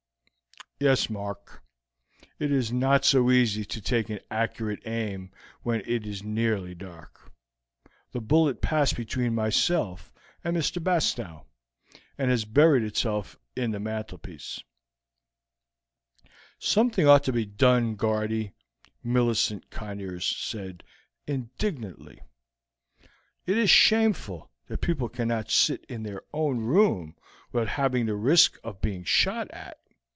"Yes, Mark. It is not so easy to take an accurate aim when it is nearly dark. The bullet passed between myself and Mr. Bastow, and has buried itself in the mantelpiece." "Something ought to be done, Guardy," Millicent Conyers said indignantly. "It is shameful that people cannot sit in their own room without the risk of being shot at.